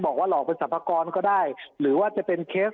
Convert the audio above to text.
หลอกเป็นสรรพากรก็ได้หรือว่าจะเป็นเคส